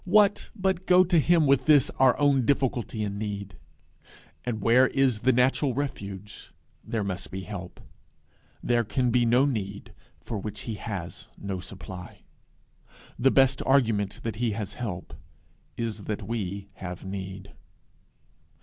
what but go to him with this our own difficulty and need? And where is the natural refuge, there must be the help. There can be no need for which he has no supply. The best argument that he has help, is that we have need.